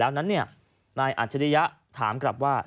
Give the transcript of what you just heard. แล้วนั้นนี่นายอัศจริยะถามกลับว่า